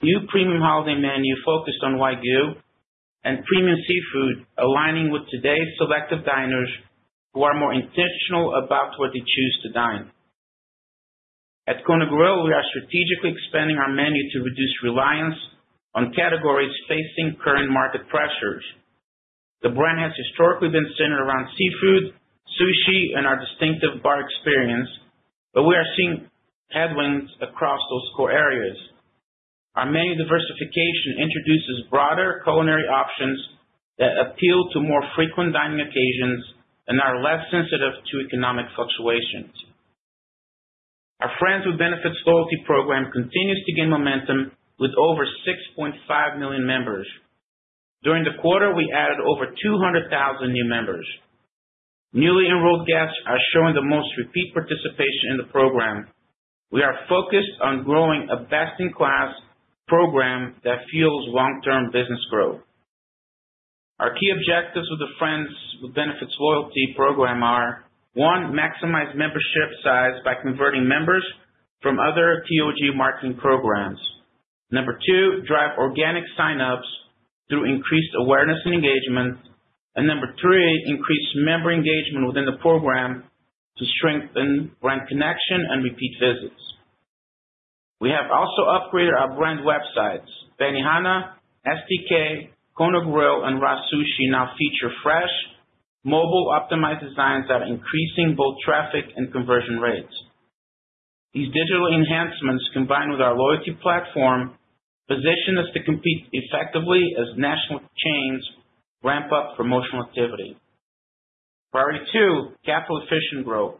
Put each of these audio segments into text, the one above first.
New premium housing menu focused on Wagyu and premium seafood, aligning with today's selective diners who are more intentional about what they choose to dine. At Kona Grill, we are strategically expanding our menu to reduce reliance on categories facing current market pressures. The brand has historically been centered around seafood, sushi, and our distinctive bar experience, but we are seeing headwinds across those core areas. Our menu diversification introduces broader culinary options that appeal to more frequent dining occasions and are less sensitive to economic fluctuations. Our Friends With Benefits Loyalty Program continues to gain momentum with over 6.5 million members. During the quarter, we added over 200,000 new members. Newly enrolled guests are showing the most repeat participation in the program. We are focused on growing a best-in-class program that fuels long-term business growth. Our key objectives with the Friends with Benefits loyalty program are: one, maximize membership size by converting members from other TOG marketing programs; number two, drive organic sign-ups through increased awareness and engagement; and number three, increase member engagement within the program to strengthen brand connection and repeat visits. We have also upgraded our brand websites. Benihana, STK, Kona Grill, and RA Sushi now feature fresh, mobile-optimized designs that are increasing both traffic and conversion rates. These digital enhancements, combined with our loyalty platform, position us to compete effectively as national chains ramp up promotional activity. Priority 2, capital efficient growth.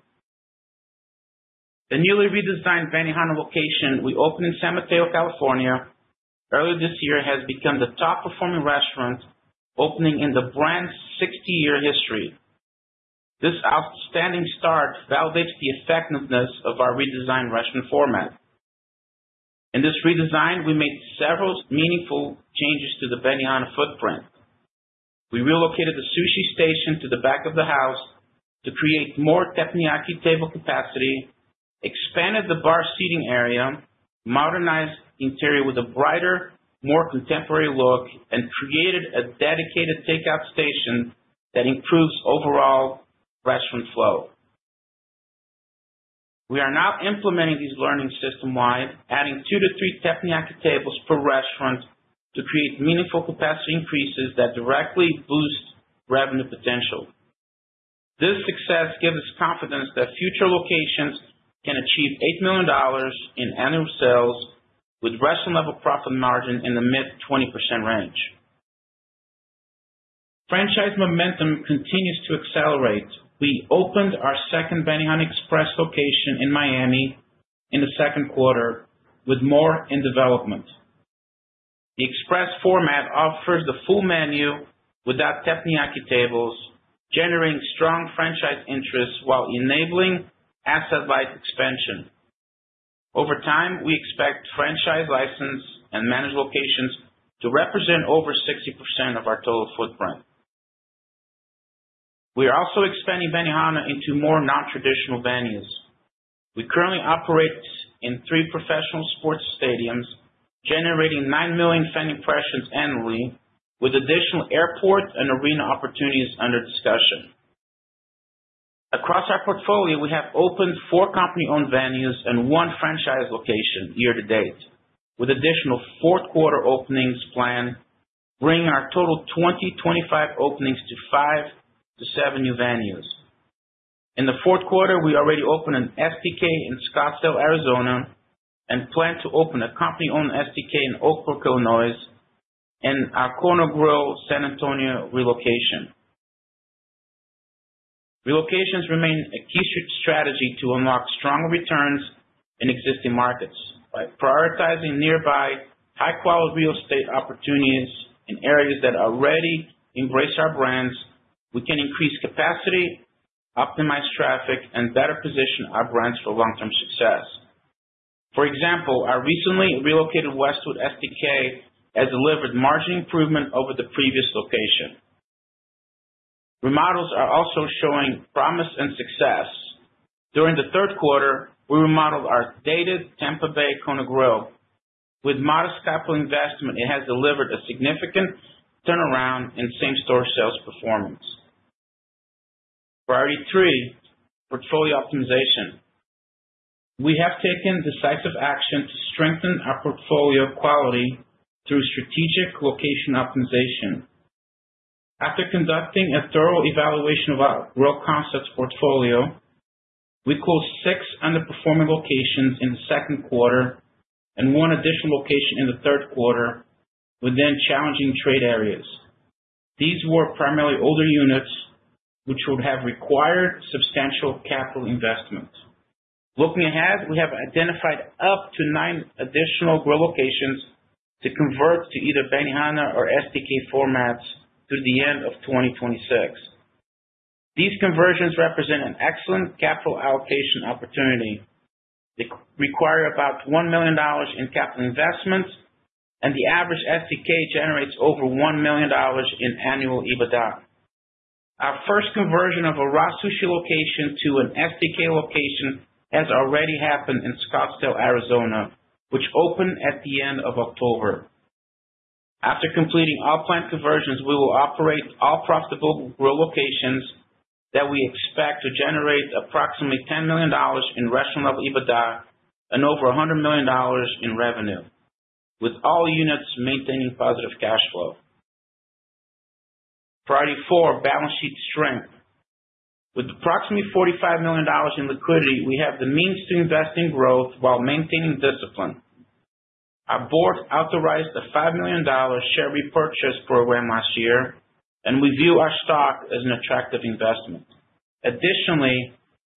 The newly redesigned Benihana location, we opened in San Mateo, California, earlier this year, has become the top-performing restaurant opening in the brand's 60-year history. This outstanding start validates the effectiveness of our redesigned restaurant format. In this redesign, we made several meaningful changes to the Benihana footprint. We relocated the sushi station to the back of the house to create more teppanyaki table capacity, expanded the bar seating area, modernized the interior with a brighter, more contemporary look, and created a dedicated takeout station that improves overall restaurant flow. We are now implementing these learnings system-wide, adding two to three teppanyaki tables per restaurant to create meaningful capacity increases that directly boost revenue potential. This success gives us confidence that future locations can achieve $8 million in annual sales with restaurant-level profit margin in the mid-20% range. Franchise momentum continues to accelerate. We opened our second Benihana Express location in Miami in the second quarter with more in development. The Express format offers the full menu without teppanyaki tables, generating strong franchise interest while enabling asset-wide expansion. Over time, we expect franchise license and managed locations to represent over 60% of our total footprint. We are also expanding Benihana into more non-traditional venues. We currently operate in three professional sports stadiums, generating nine million impressions annually, with additional airport and arena opportunities under discussion. Across our portfolio, we have opened four company-owned venues and one franchise location year to date, with additional fourth-quarter openings planned, bringing our total 2025 openings to five to seven new venues. In the fourth quarter, we already opened an STK in Scottsdale, Arizona, and plan to open a company-owned STK in Oak Brook, Illinois, and our Kona Grill, San Antonio relocation. Relocations remain a key strategy to unlock strong returns in existing markets. By prioritizing nearby high-quality real estate opportunities in areas that already embrace our brands, we can increase capacity, optimize traffic, and better position our brands for long-term success. For example, our recently relocated Westwood STK has delivered margin improvement over the previous location. Remodels are also showing promise and success. During the third quarter, we remodeled our dated Tampa Bay Kona Grill. With modest capital investment, it has delivered a significant turnaround in same-store sales performance. Priority 3, portfolio optimization. We have taken decisive action to strengthen our portfolio quality through strategic location optimization. After conducting a thorough evaluation of our grill concepts portfolio, we closed six underperforming locations in the second quarter and one additional location in the third quarter within challenging trade areas. These were primarily older units, which would have required substantial capital investment. Looking ahead, we have identified up to nine additional grill locations to convert to either Benihana or STK formats through the end of 2026. These conversions represent an excellent capital allocation opportunity. They require about $1 million in capital investment, and the average STK generates over $1 million in annual EBITDA. Our first conversion of a RA Sushi location to an STK location has already happened in Scottsdale, Arizona, which opened at the end of October. After completing all planned conversions, we will operate all profitable grill locations that we expect to generate approximately $10 million in restaurant-level EBITDA and over $100 million in revenue, with all units maintaining positive cash flow. Priority 4, balance sheet strength. With approximately $45 million in liquidity, we have the means to invest in growth while maintaining discipline. Our board authorized a $5 million share repurchase program last year, and we view our stock as an attractive investment. Additionally,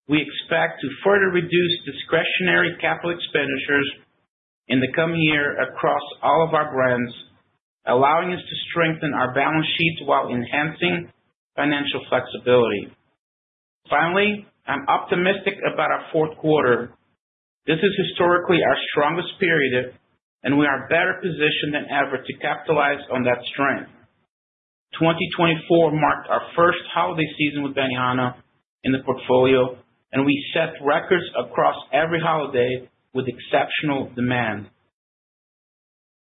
we expect to further reduce discretionary capital expenditures in the coming year across all of our brands, allowing us to strengthen our balance sheet while enhancing financial flexibility. Finally, I'm optimistic about our fourth quarter. This is historically our strongest period, and we are better positioned than ever to capitalize on that strength. 2024 marked our first holiday season with Benihana in the portfolio, and we set records across every holiday with exceptional demand.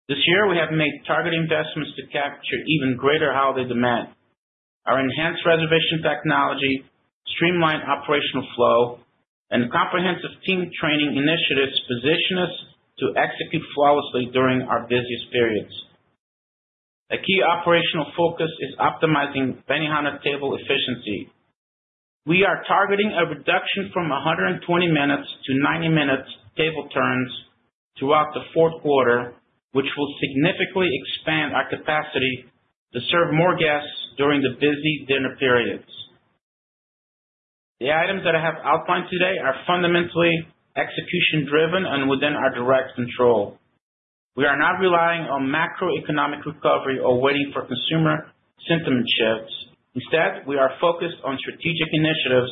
This year, we have made targeted investments to capture even greater holiday demand. Our enhanced reservation technology, streamlined operational flow, and comprehensive team training initiatives position us to execute flawlessly during our busiest periods. A key operational focus is optimizing Benihana table efficiency. We are targeting a reduction from 120 minutes to 90 minutes table turns throughout the fourth quarter, which will significantly expand our capacity to serve more guests during the busy dinner periods. The items that I have outlined today are fundamentally execution-driven and within our direct control. We are not relying on macroeconomic recovery or waiting for consumer sentiment shifts. Instead, we are focused on strategic initiatives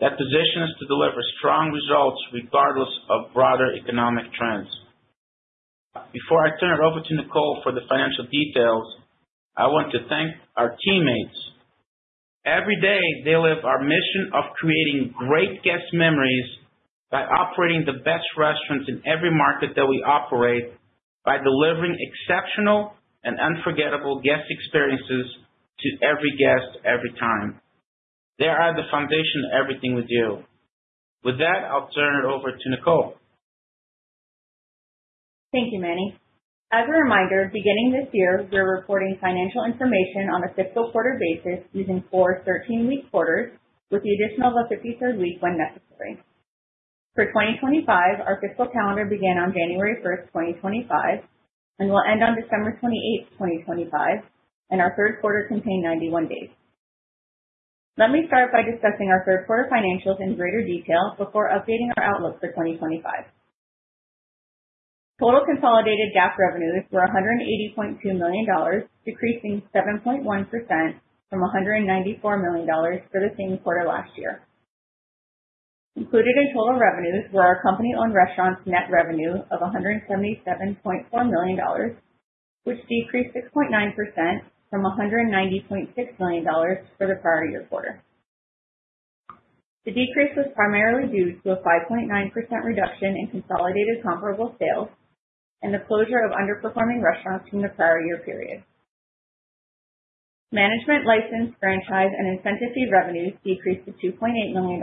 that position us to deliver strong results regardless of broader economic trends. Before I turn it over to Nicole for the financial details, I want to thank our teammates. Every day, they live our mission of creating great guest memories by operating the best restaurants in every market that we operate, by delivering exceptional and unforgettable guest experiences to every guest every time. They are the foundation of everything we do. With that, I'll turn it over to Nicole. Thank you, Manny. As a reminder, beginning this year, we're reporting financial information on a fiscal quarter basis using four 13-week quarters, with the addition of a 53rd week when necessary. For 2025, our fiscal calendar began on January 1st, 2025, and will end on December 28th, 2025, and our third quarter contained 91 days. Let me start by discussing our third quarter financials in greater detail before updating our outlook for 2025. Total consolidated GAAP revenues were $180.2 million, decreasing 7.1% from $194 million for the same quarter last year. Included in total revenues were our company-owned restaurants' net revenue of $177.4 million, which decreased 6.9% from $190.6 million for the prior year quarter. The decrease was primarily due to a 5.9% reduction in consolidated comparable sales and the closure of underperforming restaurants from the prior year period. Management, license, franchise, and incentive fee revenues decreased to $2.8 million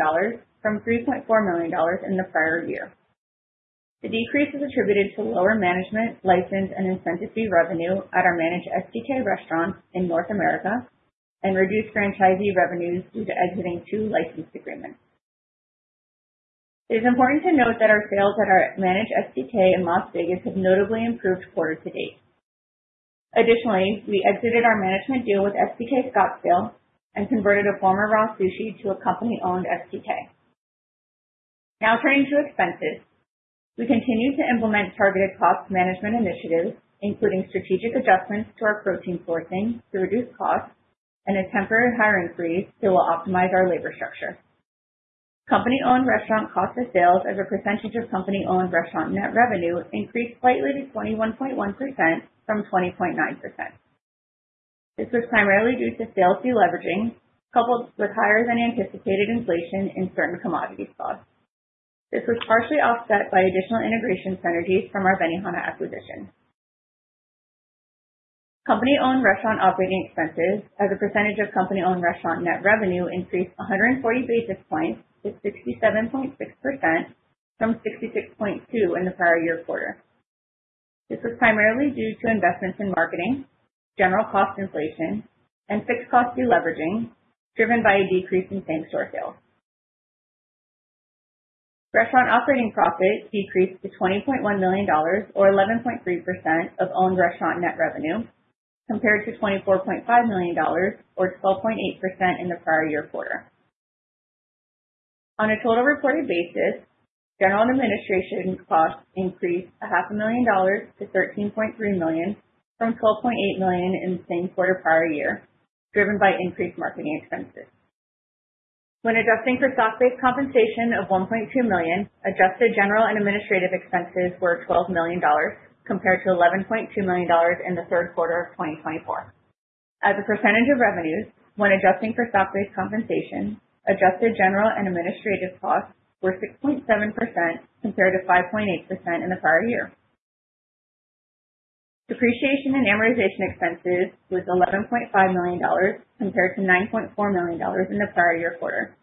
from $3.4 million in the prior year. The decrease is attributed to lower management, license, and incentive fee revenue at our managed STK restaurants in North America and reduced franchisee revenues due to exiting two license agreements. It is important to note that our sales at our managed STK in Las Vegas have notably improved quarter to date. Additionally, we exited our management deal with STK Scottsdale and converted a former RA Sushi to a company-owned STK. Now turning to expenses, we continue to implement targeted cost management initiatives, including strategic adjustments to our protein sourcing to reduce costs and a temporary hiring freeze that will optimize our labor structure. Company-owned restaurant cost of sales as a percentage of company-owned restaurant net revenue increased slightly to 21.1% from 20.9%. This was primarily due to sales deleveraging coupled with higher-than-anticipated inflation in certain commodities costs. This was partially offset by additional integration synergies from our Benihana acquisition. Company-owned restaurant operating expenses as a percentage of company-owned restaurant net revenue increased 140 bps to 67.6% from 66.2% in the prior year quarter. This was primarily due to investments in marketing, general cost inflation, and fixed cost deleveraging driven by a decrease in same-store sales. Restaurant operating profit decreased to $20.1 million, or 11.3% of owned restaurant net revenue, compared to $24.5 million, or 12.8% in the prior year quarter. On a total reported basis, general and administrative costs increased $500,000 to $13.3 million from $12.8 million in the same quarter prior year, driven by increased marketing expenses. When adjusting for stock-based compensation of $1.2 million, adjusted general and administrative expenses were $12 million, compared to $11.2 million in the third quarter of 2024. As a percentage of revenues, when adjusting for stock-based compensation, adjusted general and administrative costs were 6.7% compared to 5.8% in the prior year. Depreciation and amortization expenses were $11.5 million, compared to $9.4 million in the prior year quarter.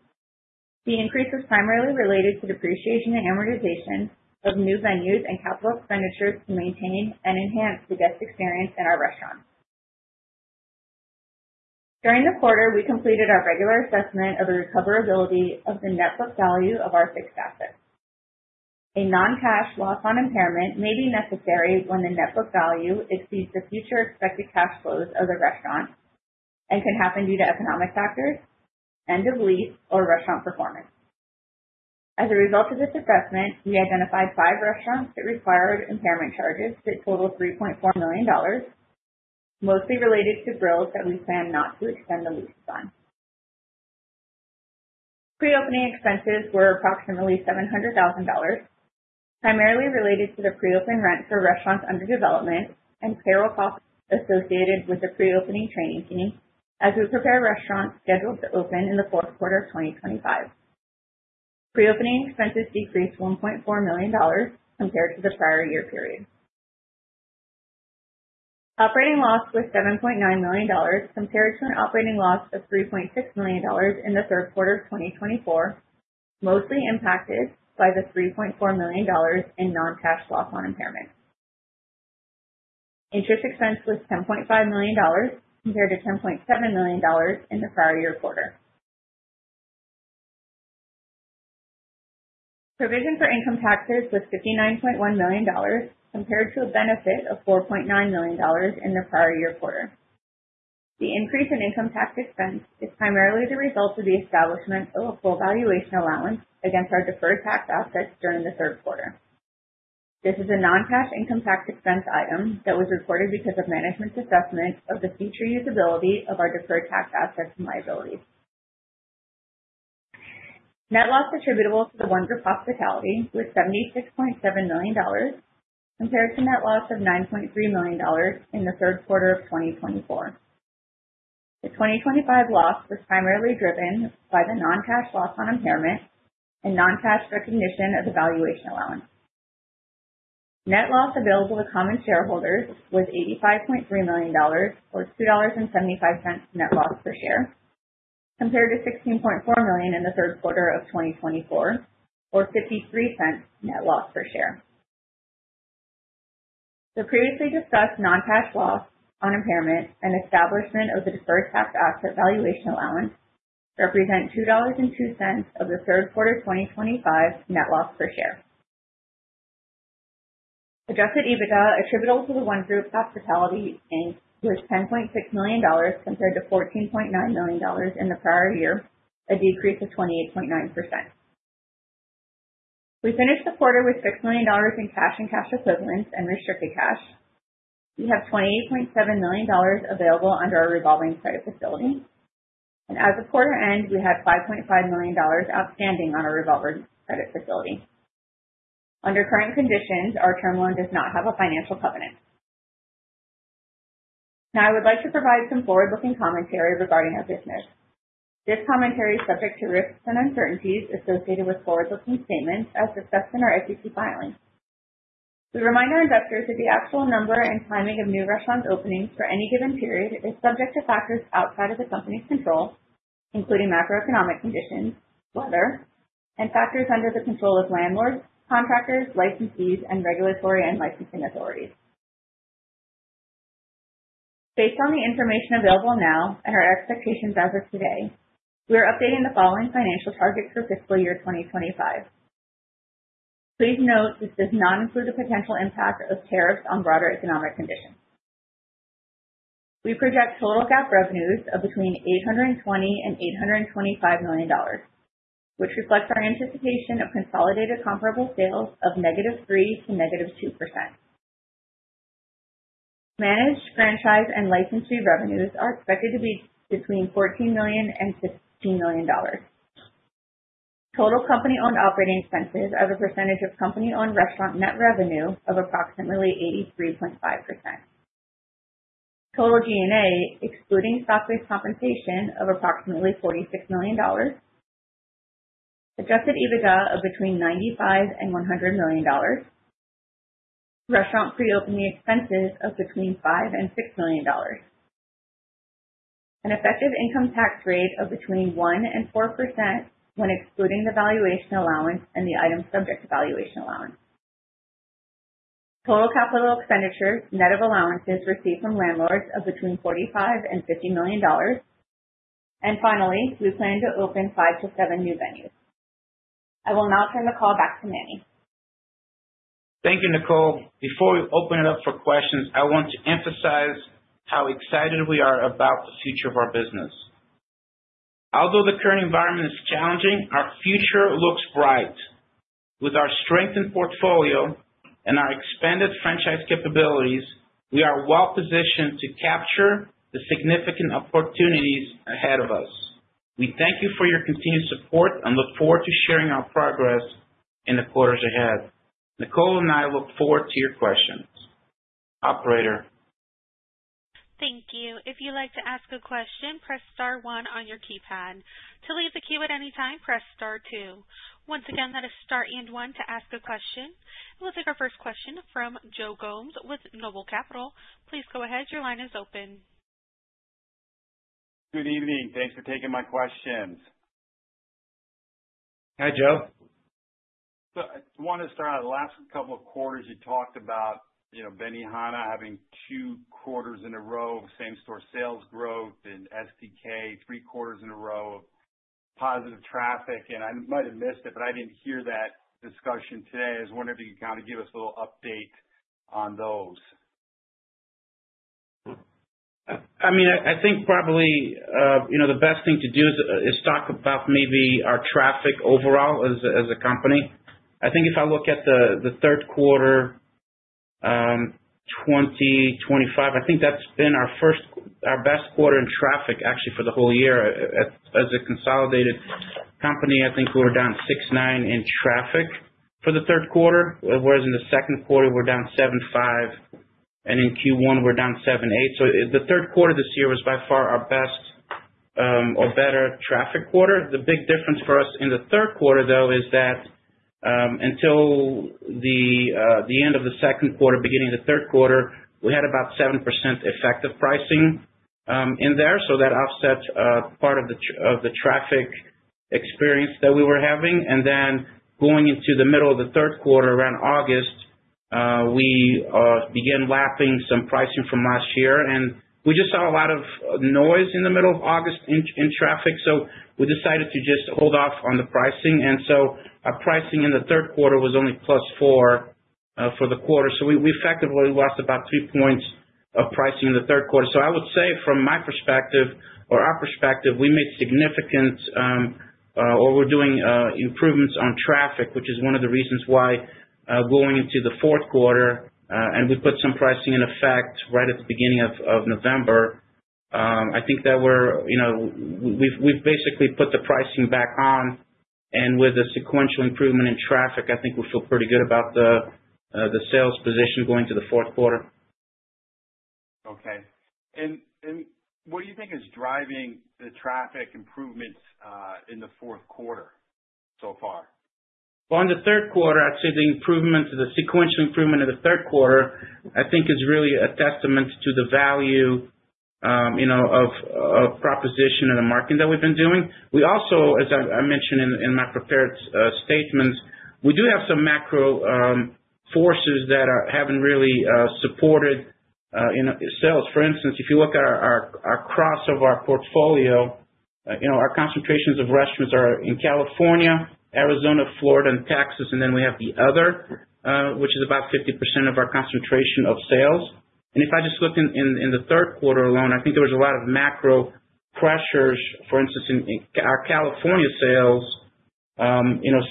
The increase was primarily related to depreciation and amortization of new venues and capital expenditures to maintain and enhance the guest experience in our restaurants. During the quarter, we completed our regular assessment of the recoverability of the net book value of our fixed assets. A non-cash loss on impairment may be necessary when the net book value exceeds the future expected cash flows of the restaurant and can happen due to economic factors, end-of-lease, or restaurant performance. As a result of this assessment, we identified five restaurants that required impairment charges that totaled $3.4 million, mostly related to grills that we plan not to extend the leases on. Pre-opening expenses were approximately $700,000, primarily related to the pre-open rent for restaurants under development and payroll costs associated with the pre-opening training team as we prepare restaurants scheduled to open in the fourth quarter of 2025. Pre-opening expenses decreased $1.4 million compared to the prior year period. Operating loss was $7.9 million compared to an operating loss of $3.6 million in the third quarter of 2024, mostly impacted by the $3.4 million in non-cash loss on impairment. Interest expense was $10.5 million compared to $10.7 million in the prior year quarter. Provision for income taxes was $59.1 million compared to a benefit of $4.9 million in the prior year quarter. The increase in income tax expense is primarily the result of the establishment of a full valuation allowance against our deferred tax assets during the third quarter. This is a non-cash income tax expense item that was recorded because of management's assessment of the future usability of our deferred tax assets and liabilities. Net loss attributable to The ONE Group Hospitality was $76.7 million compared to net loss of $9.3 million in the third quarter of 2024. The 2025 loss was primarily driven by the non-cash loss on impairment and non-cash recognition of the valuation allowance. Net loss available to common shareholders was $85.3 million, or $2.75 net loss per share, compared to $16.4 million in the third quarter of 2024, or $0.53 net loss per share. The previously discussed non-cash loss on impairment and establishment of the deferred tax asset valuation allowance represent $2.02 of the third quarter 2025 net loss per share. Adjusted EBITDA attributable to The ONE Group Hospitality, Inc. was $10.6 million compared to $14.9 million in the prior year, a decrease of 28.9%. We finished the quarter with $6 million in cash and cash equivalents and restricted cash. We have $28.7 million available under our revolving credit facility, and as the quarter ended, we had $5.5 million outstanding on our revolving credit facility. Under current conditions, our term loan does not have a financial covenant. Now, I would like to provide some forward-looking commentary regarding our business. This commentary is subject to risks and uncertainties associated with forward-looking statements as discussed in our SEC filing. We remind our investors that the actual number and timing of new restaurant openings for any given period is subject to factors outside of the company's control, including macroeconomic conditions, weather, and factors under the control of landlords, contractors, licensees, and regulatory and licensing authorities. Based on the information available now and our expectations as of today, we are updating the following financial targets for fiscal year 2025. Please note this does not include the potential impact of tariffs on broader economic conditions. We project total GAAP revenues of between $820 and $825 million, which reflects our anticipation of consolidated comparable sales of -3% to -2%. Managed, franchise, and licensee revenues are expected to be between $14 and $15 million. Total company-owned operating expenses as a percentage of company-owned restaurant net revenue of approximately 83.5%. Total G&A, excluding stock-based compensation, of approximately $46 million. Adjusted EBITDA of between $95 and $100 million. Restaurant pre-opening expenses of between $5 and $6 million. An effective income tax rate of between 1% and 4% when excluding the valuation allowance and the item subject to valuation allowance. Total capital expenditures, net of allowances received from landlords of between $45 and $50 million. And finally, we plan to open five to seven new venues. I will now turn the call back to Manny. Thank you, Nicole. Before we open it up for questions, I want to emphasize how excited we are about the future of our business. Although the current environment is challenging, our future looks bright. With our strengthened portfolio and our expanded franchise capabilities, we are well-positioned to capture the significant opportunities ahead of us. We thank you for your continued support and look forward to sharing our progress in the quarters ahead. Nicole and I look forward to your questions. Operator. Thank you. If you'd like to ask a question, press star one on your keypad. To leave the queue at any time, press star two. Once again, that is star and one to ask a question. We'll take our first question from Joe Gomes with Noble Capital. Please go ahead. Your line is open. Good evening. Thanks for taking my questions. Hi, Joe. So I want to start out. The last couple of quarters, you talked about Benihana having two quarters in a row of same-store sales growth and STK, three quarters in a row of positive traffic. And I might have missed it, but I didn't hear that discussion today. I was wondering if you could kind of give us a little update on those. I mean, I think probably the best thing to do is talk about maybe our traffic overall as a company. I think if I look at the third quarter, 2025, I think that's been our best quarter in traffic, actually, for the whole year. As a consolidated company, I think we were down 6.9% in traffic for the third quarter, whereas in the second quarter, we were down 7.5%, and in Q1, we were down 7.8%. So the third quarter this year was by far our best or better traffic quarter. The big difference for us in the third quarter, though, is that until the end of the second quarter, beginning of the third quarter, we had about 7% effective pricing in there. So that offset part of the traffic experience that we were having. And then, going into the middle of the third quarter, around August, we began wrapping some pricing from last year. And we just saw a lot of noise in the middle of August in traffic, so we decided to just hold off on the pricing. And so our pricing in the third quarter was only +4 for the quarter. So we effectively lost about three points of pricing in the third quarter. So I would say, from my perspective or our perspective, we made significant or we're doing improvements on traffic, which is one of the reasons why, going into the fourth quarter, and we put some pricing in effect right at the beginning of November, I think that we've basically put the pricing back on. And with the sequential improvement in traffic, I think we feel pretty good about the sales position going to the fourth quarter. Okay, and what do you think is driving the traffic improvements in the fourth quarter so far? In the third quarter, I'd say the sequential improvement in the third quarter, I think, is really a testament to the value of proposition and the marketing that we've been doing. We also, as I mentioned in my prepared statements, we do have some macro forces that haven't really supported sales. For instance, if you look at our cross of our portfolio, our concentrations of restaurants are in California, Arizona, Florida, and Texas. And then we have the other, which is about 50% of our concentration of sales. And if I just look in the third quarter alone, I think there was a lot of macro pressures. For instance, our California sales,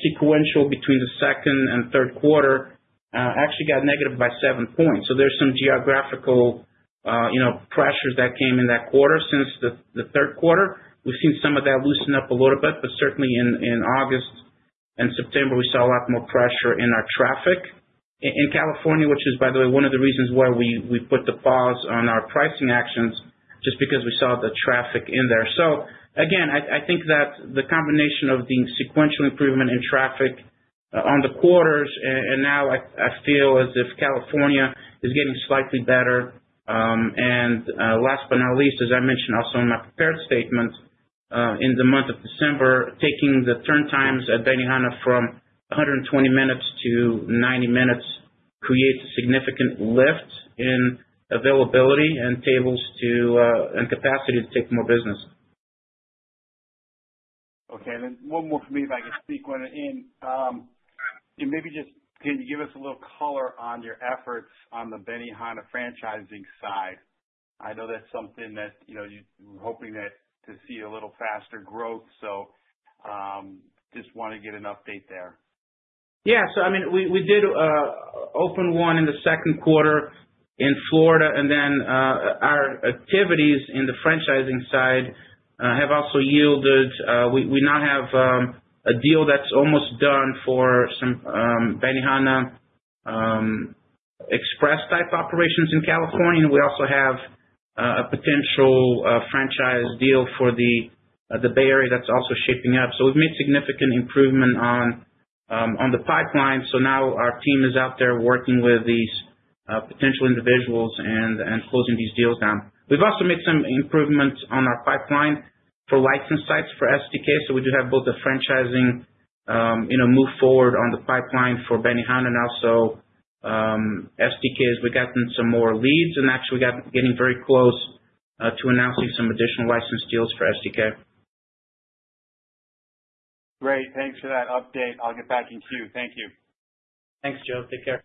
sequential between the second and third quarter, actually got negative by seven points. So there's some geographical pressures that came in that quarter. Since the third quarter, we've seen some of that loosen up a little bit. But certainly, in August and September, we saw a lot more pressure in our traffic in California, which is, by the way, one of the reasons why we put the pause on our pricing actions, just because we saw the traffic in there. So again, I think that the combination of the sequential improvement in traffic on the quarters, and now I feel as if California is getting slightly better. And last but not least, as I mentioned also in my prepared statement, in the month of December, taking the turn times at Benihana from 120 minutes to 90 minutes creates a significant lift in availability and capacity to take more business. Okay. And then one more from me about your cuisine. And maybe just can you give us a little color on your efforts on the Benihana franchising side? I know that's something that you're hoping to see a little faster growth. So just want to get an update there. Yeah. So I mean, we did open one in the second quarter in Florida. And then our activities in the franchising side have also yielded we now have a deal that's almost done for some Benihana Express-type operations in California. And we also have a potential franchise deal for the Bay Area that's also shaping up. So we've made significant improvement on the pipeline. So now our team is out there working with these potential individuals and closing these deals down. We've also made some improvements on our pipeline for license sites for STK. So we do have both the franchising move forward on the pipeline for Benihana and also STK as we've gotten some more leads. And actually, we're getting very close to announcing some additional license deals for STK. Great. Thanks for that update. I'll get back in queue. Thank you. Thanks, Joe. Take care.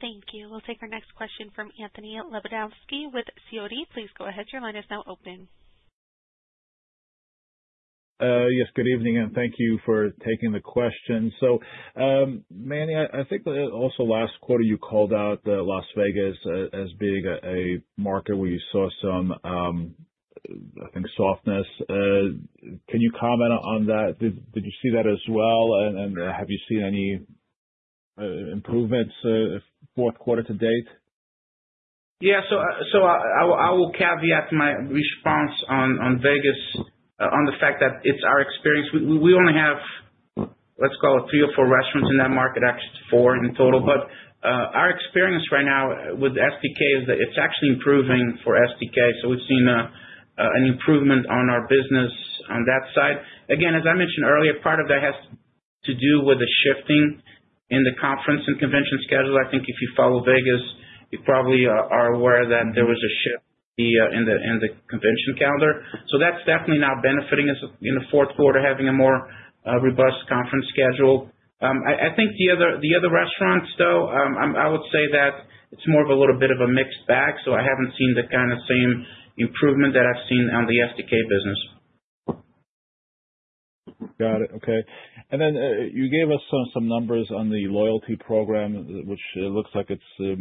Thank you. We'll take our next question from Anthony Lebiedzinski with Sidoti & Company. Please go ahead. Your line is now open. Yes. Good evening, and thank you for taking the question. So Manny, I think also last quarter, you called out Las Vegas as being a market where you saw some, I think, softness. Can you comment on that? Did you see that as well? And have you seen any improvements fourth quarter to date? Yeah. So I will caveat my response on Vegas on the fact that it's our experience. We only have, let's call it, three or four restaurants in that market, actually four in total. But our experience right now with STK is that it's actually improving for STK. So we've seen an improvement on our business on that side. Again, as I mentioned earlier, part of that has to do with the shifting in the conference and convention schedule. I think if you follow Vegas, you probably are aware that there was a shift in the convention calendar. So that's definitely now benefiting us in the fourth quarter, having a more robust conference schedule. I think the other restaurants, though, I would say that it's more of a little bit of a mixed bag. So I haven't seen the kind of same improvement that I've seen on the STK business. Got it. Okay. And then you gave us some numbers on the loyalty program, which looks like it's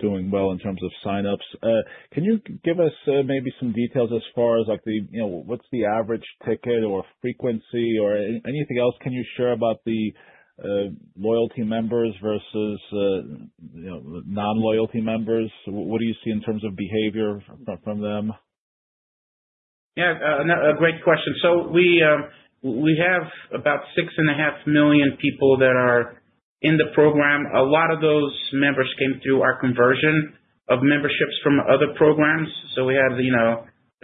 doing well in terms of signups. Can you give us maybe some details as far as what's the average ticket or frequency or anything else? Can you share about the loyalty members versus non-loyalty members? What do you see in terms of behavior from them? Yeah. A great question. So we have about six and a half million people that are in the program. A lot of those members came through our conversion of memberships from other programs. So we had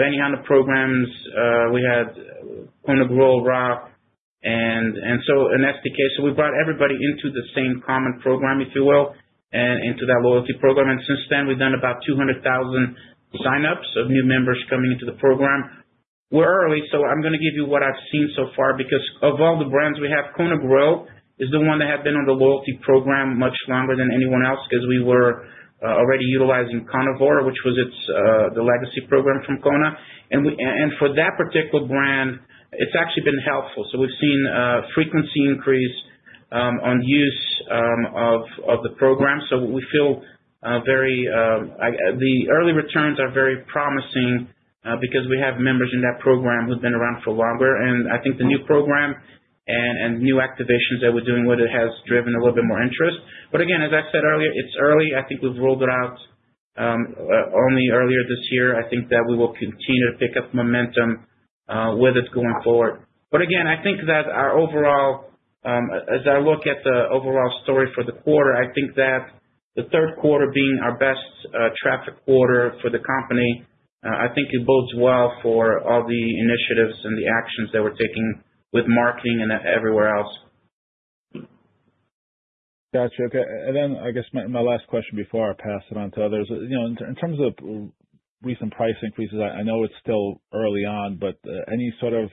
Benihana programs. We had Kona Grill, RA, and STK. So we brought everybody into the same common program, if you will, and into that loyalty program. And since then, we've done about 200,000 signups of new members coming into the program. We're early, so I'm going to give you what I've seen so far because of all the brands we have, Kona Grill is the one that had been on the loyalty program much longer than anyone else because we were already utilizing Kona Grill, which was the legacy program from Kona. And for that particular brand, it's actually been helpful. So we've seen a frequency increase on use of the program. So we feel that the early returns are very promising because we have members in that program who've been around for longer. And I think the new program and new activations that we're doing with it have driven a little bit more interest. But again, as I said earlier, it's early. I think we've rolled it out only earlier this year. I think that we will continue to pick up momentum with it going forward. But again, I think that our overall, as I look at the overall story for the quarter, I think that the third quarter being our best traffic quarter for the company, I think it bodes well for all the initiatives and the actions that we're taking with marketing and everywhere else. Gotcha. Okay. And then I guess my last question before I pass it on to others. In terms of recent price increases, I know it's still early on, but any sort of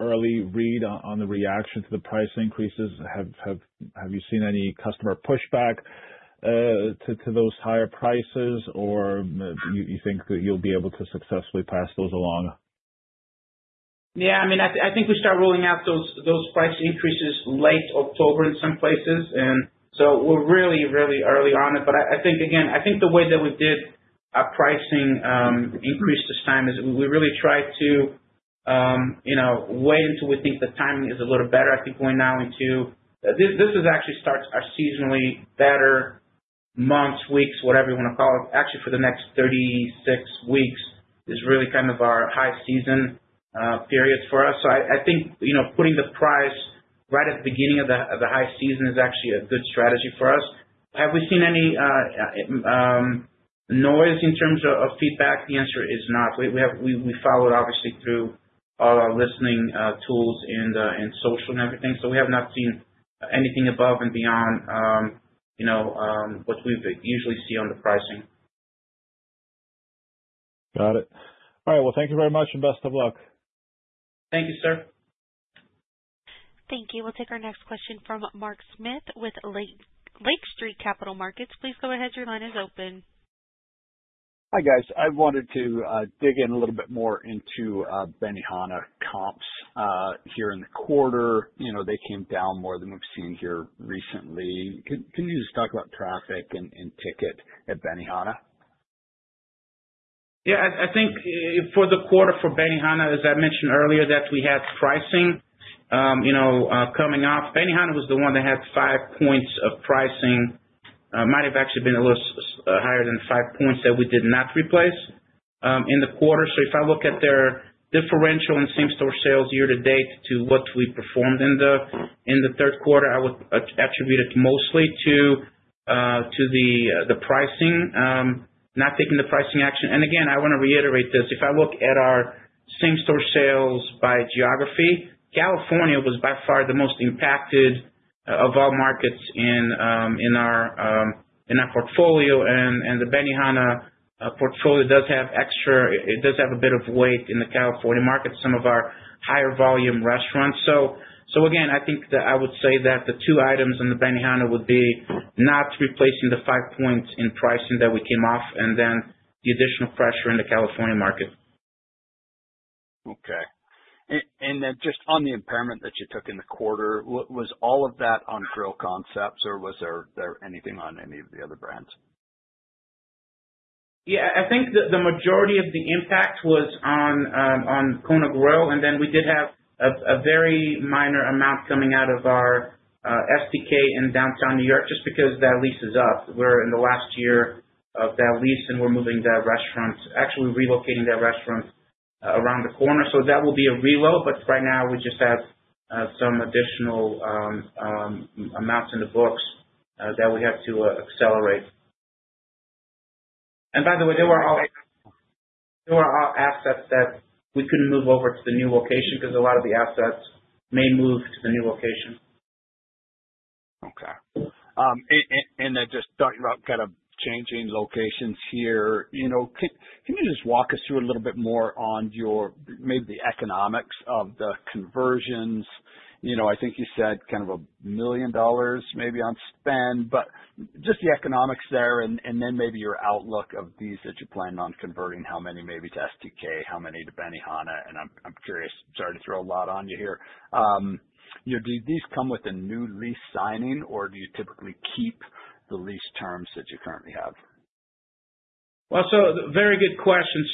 early read on the reaction to the price increases? Have you seen any customer pushback to those higher prices, or you think that you'll be able to successfully pass those along? Yeah. I mean, I think we start rolling out those price increases late October in some places. And so we're really, really early on it. But I think, again, I think the way that we did our pricing increase this time is we really tried to wait until we think the timing is a little better. I think going now into this actually starts our seasonally better months, weeks, whatever you want to call it. Actually, for the next 36 weeks is really kind of our high season period for us. So I think putting the price right at the beginning of the high season is actually a good strategy for us. Have we seen any noise in terms of feedback? The answer is not. We follow it, obviously, through all our listening tools and social and everything. So we have not seen anything above and beyond what we usually see on the pricing. Got it. All right. Well, thank you very much and best of luck. Thank you, sir. Thank you. We'll take our next question from Mark Smith with Lake Street Capital Markets. Please go ahead. Your line is open. Hi, guys. I wanted to dig in a little bit more into Benihana comps here in the quarter. They came down more than we've seen here recently. Can you just talk about traffic and ticket at Benihana? Yeah. I think for the quarter for Benihana, as I mentioned earlier, that we had pricing coming off. Benihana was the one that had five points of pricing. It might have actually been a little higher than five points that we did not replace in the quarter. So if I look at their differential in same-store sales year to date to what we performed in the third quarter, I would attribute it mostly to the pricing, not taking the pricing action. And again, I want to reiterate this. If I look at our same-store sales by geography, California was by far the most impacted of all markets in our portfolio. And the Benihana portfolio does have. It does have a bit of weight in the California market, some of our higher volume restaurants. So again, I think that I would say that the two items in the Benihana would be not replacing the five points in pricing that we came off and then the additional pressure in the California market. Okay. And then just on the impairment that you took in the quarter, was all of that on Grill Concepts or was there anything on any of the other brands? Yeah. I think the majority of the impact was on Kona Grill. And then we did have a very minor amount coming out of our STK in downtown New York just because that lease is up. We're in the last year of that lease, and we're moving that restaurant actually relocating that restaurant around the corner. So that will be a relo. But right now, we just have some additional amounts in the books that we have to accelerate. And by the way, they were all assets that we couldn't move over to the new location because a lot of the assets may move to the new location. Okay. And then just talking about kind of changing locations here, can you just walk us through a little bit more on maybe the economics of the conversions? I think you said kind of $1 million maybe on spend. But just the economics there and then maybe your outlook of these that you're planning on converting, how many maybe to STK, how many to Benihana. And I'm curious, sorry to throw a lot on you here. Do these come with a new lease signing, or do you typically keep the lease terms that you currently have? So very good question.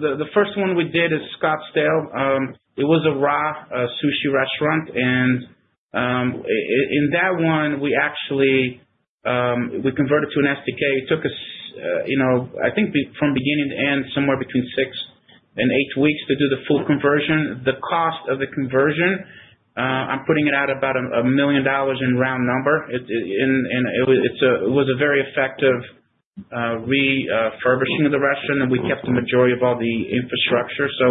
The first one we did is Scottsdale. It was an RA Sushi restaurant. And in that one, we actually converted to an STK. It took us, I think, from beginning to end, somewhere between six and eight weeks to do the full conversion. The cost of the conversion, I'm putting it at about $1 million in round number. And it was a very effective refurbishing of the restaurant, and we kept the majority of all the infrastructure. So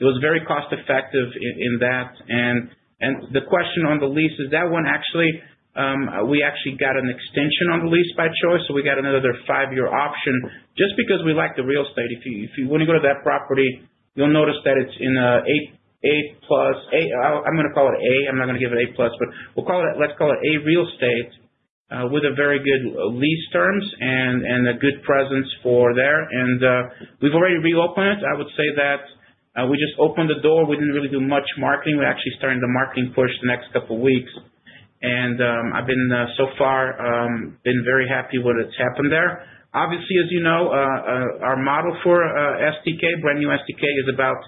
it was very cost-effective in that. And the question on the lease is that one actually we actually got an extension on the lease by choice. So we got another five-year option just because we like the real estate. If you want to go to that property, you'll notice that it's in an A+. I'm going to call it A. I'm not going to give it A+, but let's call it a real estate with very good lease terms and a good presence there. We've already reopened it. I would say that we just opened the door. We didn't really do much marketing. We're actually starting the marketing push the next couple of weeks. And so far, I've been very happy with what has happened there. Obviously, as you know, our model for STK, brand new STK, is about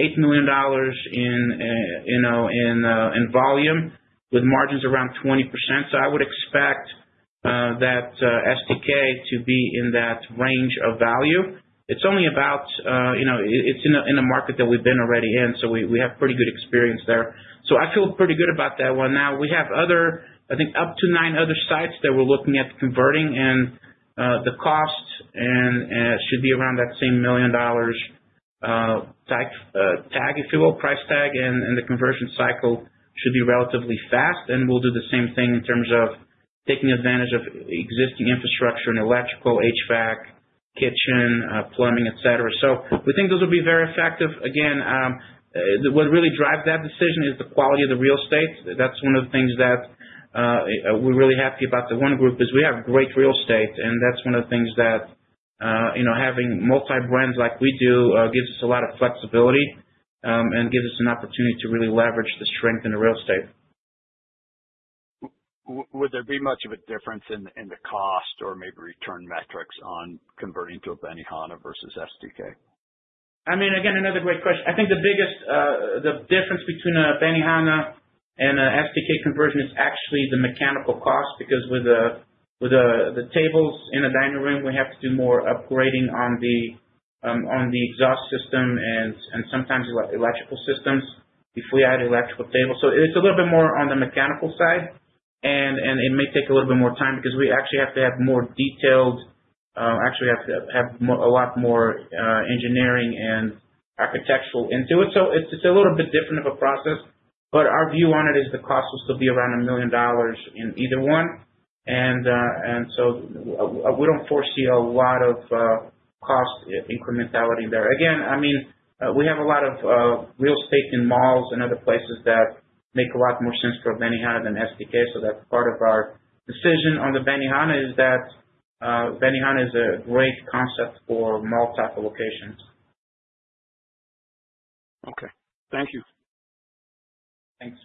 $8 million in volume with margins around 20%. So I would expect that STK to be in that range of value. It's only about it's in a market that we've been already in, so we have pretty good experience there. So I feel pretty good about that one. Now, we have other, I think, up to nine other sites that we're looking at converting. And the cost should be around that same $1 million price tag, if you will. And the conversion cycle should be relatively fast. And we'll do the same thing in terms of taking advantage of existing infrastructure and electrical, HVAC, kitchen, plumbing, etc. So we think those will be very effective. Again, what really drives that decision is the quality of the real estate. That's one of the things that we're really happy about. The ONE Group is we have great real estate, and that's one of the things that having multi-brands like we do gives us a lot of flexibility and gives us an opportunity to really leverage the strength in the real estate. Would there be much of a difference in the cost or maybe return metrics on converting to a Benihana versus STK? I mean, again, another great question. I think the biggest difference between a Benihana and an STK conversion is actually the mechanical cost because with the tables in a dining room, we have to do more upgrading on the exhaust system and sometimes electrical systems before we add electrical tables. So it's a little bit more on the mechanical side, and it may take a little bit more time because we actually have to have a lot more engineering and architectural into it. So it's a little bit different of a process. But our view on it is the cost will still be around $1 million in either one, and so we don't foresee a lot of cost incrementality there. Again, I mean, we have a lot of real estate in malls and other places that make a lot more sense for Benihana than STK. So that's part of our decision on the Benihana is that Benihana is a great concept for mall-type locations. Okay. Thank you. Thanks.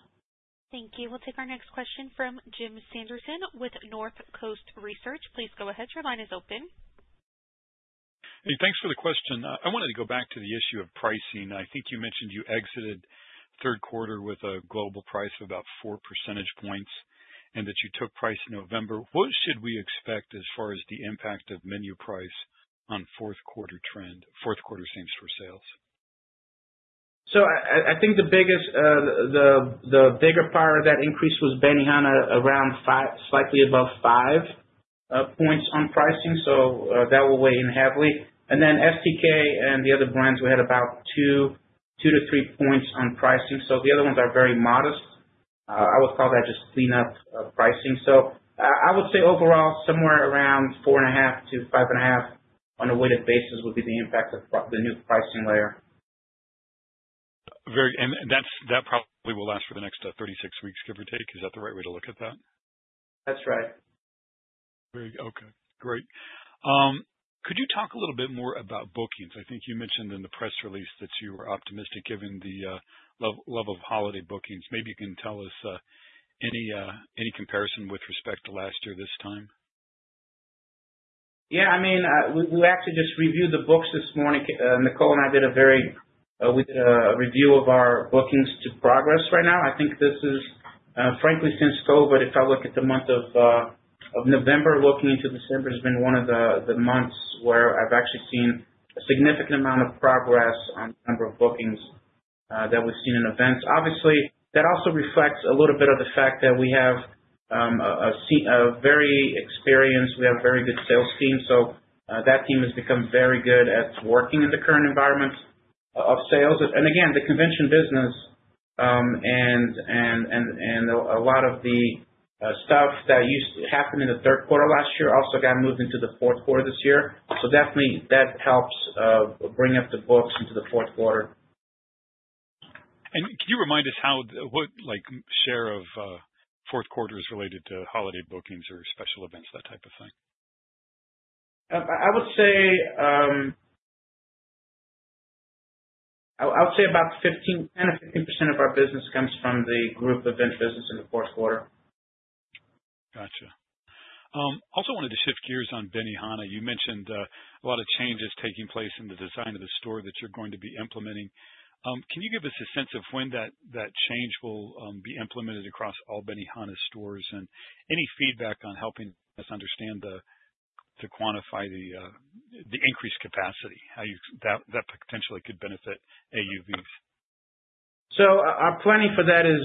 Thank you. We'll take our next question from Jim Sanderson with North Coast Research. Please go ahead. Your line is open. Hey, thanks for the question. I wanted to go back to the issue of pricing. I think you mentioned you exited third quarter with a global price of about four percentage points and that you took price in November. What should we expect as far as the impact of menu price on fourth quarter trend, fourth quarter same-store sales? So I think the bigger part of that increase was Benihana around slightly above five points on pricing. So that will weigh in heavily. And then STK and the other brands, we had about two to three points on pricing. So the other ones are very modest. I would call that just cleanup pricing. So I would say overall, somewhere around four and a half to five and a half on a weighted basis would be the impact of the new pricing layer. That probably will last for the next 36 weeks, give or take. Is that the right way to look at that? That's right. Okay. Great. Could you talk a little bit more about bookings? I think you mentioned in the press release that you were optimistic given the love of holiday bookings. Maybe you can tell us any comparison with respect to last year this time? Yeah. I mean, we actually just reviewed the books this morning. Nicole and I did a review of our bookings' progress right now. I think this is frankly since COVID, if I look at the month of November, looking into December has been one of the months where I've actually seen a significant amount of progress on the number of bookings that we've seen in events. Obviously, that also reflects a little bit of the fact that we have a very good sales team. So that team has become very good at working in the current environment of sales. And again, the convention business and a lot of the stuff that used to happen in the third quarter last year also got moved into the fourth quarter this year. Definitely, that helps bring up the books into the fourth quarter. Can you remind us what share of fourth quarter is related to holiday bookings or special events, that type of thing? I would say about 10% and 15% of our business comes from the group event business in the fourth quarter. Gotcha. Also wanted to shift gears on Benihana. You mentioned a lot of changes taking place in the design of the store that you're going to be implementing. Can you give us a sense of when that change will be implemented across all Benihana stores and any feedback on helping us understand to quantify the increased capacity, how that potentially could benefit AUVs? Our planning for that is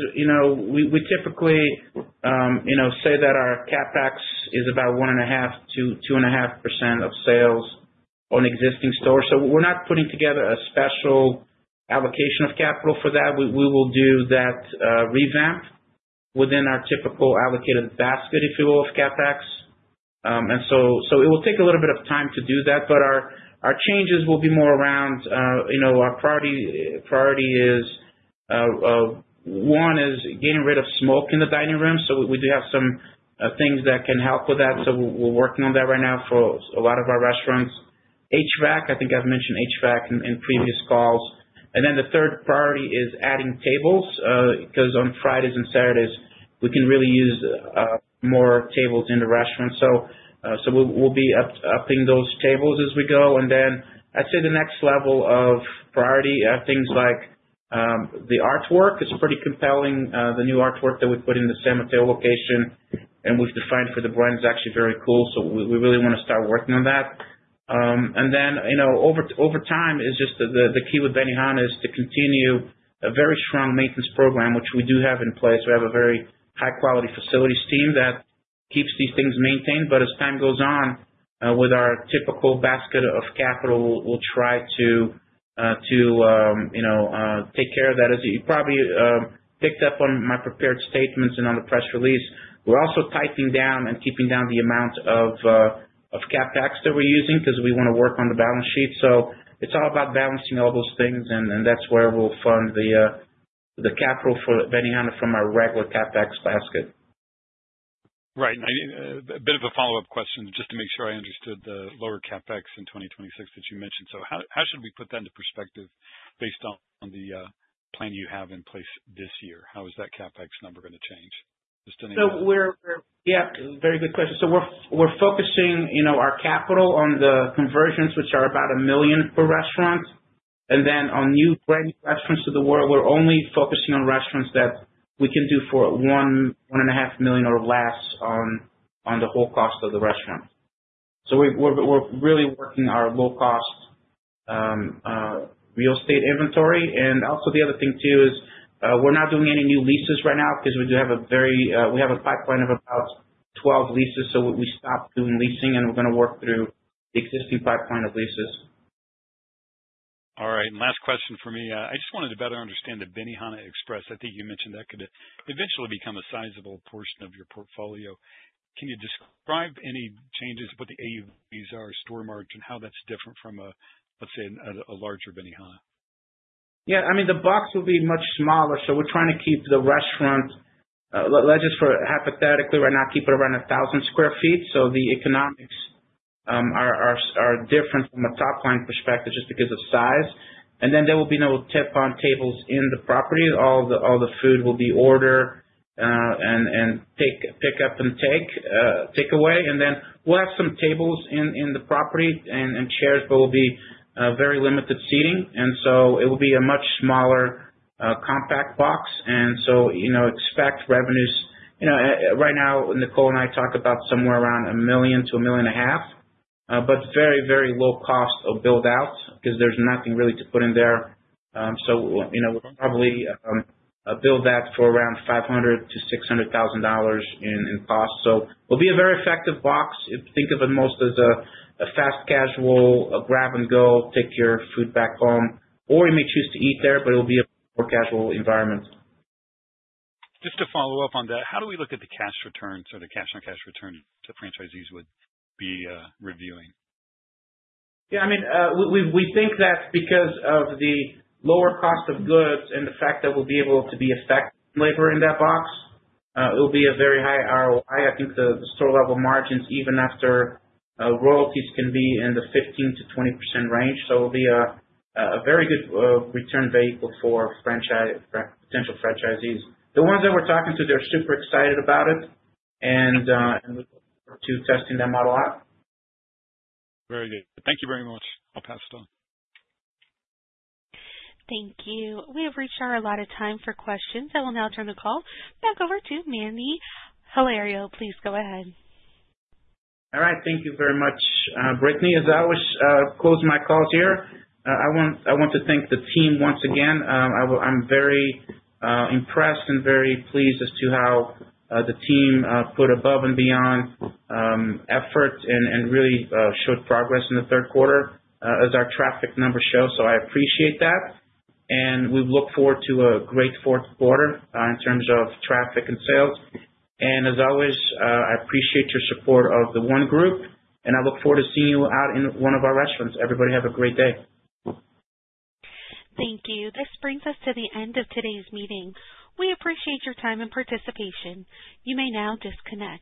we typically say that our CapEx is about 1.5% to 2.5% of sales on existing stores. We're not putting together a special allocation of capital for that. We will do that revamp within our typical allocated basket, if you will, of CapEx. So it will take a little bit of time to do that. But our changes will be more around our priority is one is getting rid of smoke in the dining room. So we do have some things that can help with that. So we're working on that right now for a lot of our restaurants. HVAC, I think I've mentioned HVAC in previous calls. And then the third priority is adding tables because on Fridays and Saturdays, we can really use more tables in the restaurant. So we'll be upping those tables as we go. And then I'd say the next level of priority are things like the artwork. It's pretty compelling, the new artwork that we put in the San Mateo location, and we've defined for the brand. It's actually very cool. So we really want to start working on that. And then over time, it's just the key with Benihana is to continue a very strong maintenance program, which we do have in place. We have a very high-quality facilities team that keeps these things maintained. But as time goes on with our typical basket of capital, we'll try to take care of that. As you probably picked up on my prepared statements and on the press release, we're also tightening down and keeping down the amount of CapEx that we're using because we want to work on the balance sheet. So it's all about balancing all those things, and that's where we'll fund the capital for Benihana from our regular CapEx basket. Right. A bit of a follow-up question just to make sure I understood the lower CapEx in 2026 that you mentioned. So how should we put that into perspective based on the plan you have in place this year? How is that CapEx number going to change? Just any. So yeah, very good question. So we're focusing our capital on the conversions, which are about $1 million per restaurant. And then on new brand new restaurants to the world, we're only focusing on restaurants that we can do for $1.5 million or less on the whole cost of the restaurant. So we're really working our low-cost real estate inventory. And also the other thing too is we're not doing any new leases right now because we have a pipeline of about 12 leases. So we stopped doing leasing, and we're going to work through the existing pipeline of leases. All right. Last question for me. I just wanted to better understand the Benihana Express. I think you mentioned that could eventually become a sizable portion of your portfolio. Can you describe any changes to what the AUVs are, store margin, how that's different from, let's say, a larger Benihana? Yeah. I mean, the box will be much smaller. So we're trying to keep the restaurant, let's just hypothetically right now, keep it around 1,000 sq ft. So the economics are different from a top-line perspective just because of size. And then there will be no teppanyaki tables in the property. All the food will be order and pick up and take away. And then we'll have some tables in the property and chairs, but it will be very limited seating. And so it will be a much smaller compact box. And so expect revenues right now, Nicole and I talk about somewhere around $1 million to $1.5 million, but very, very low cost of build-out because there's nothing really to put in there. So we'll probably build that for around $500,000 to $600,000 in cost. So it'll be a very effective box. Think of it most as a fast casual, grab and go, take your food back home, or you may choose to eat there, but it'll be a more casual environment. Just to follow up on that, how do we look at the cash returns or the cash-on-cash return that franchisees would be reviewing? Yeah. I mean, we think that because of the lower cost of goods and the fact that we'll be able to be effective labor in that box, it will be a very high ROI. I think the store-level margins, even after royalties, can be in the 15%-20% range. So it'll be a very good return vehicle for potential franchisees. The ones that we're talking to, they're super excited about it, and we're testing them out a lot. Very good. Thank you very much. I'll pass it on. Thank you. We have reached our allotted time for questions. I will now turn the call back over to Manny Hilario. Please go ahead. All right. Thank you very much, Brittany. As I always close my calls here, I want to thank the team once again. I'm very impressed and very pleased as to how the team put above and beyond effort and really showed progress in the third quarter, as our traffic numbers show. So I appreciate that. And we look forward to a great fourth quarter in terms of traffic and sales. And as always, I appreciate your support of The ONE Group, and I look forward to seeing you out in one of our restaurants. Everybody have a great day. Thank you. This brings us to the end of today's meeting. We appreciate your time and participation. You may now disconnect.